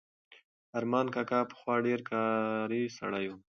ارمان کاکا پخوا ډېر کاري سړی و.